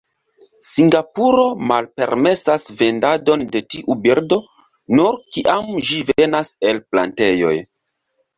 Singapuro malpermesas vendadon de tiu birdo, nur kiam ĝi venas el plantejoj.